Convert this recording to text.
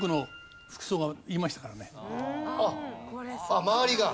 あっ周りが？